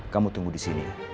kamu tunggu di sini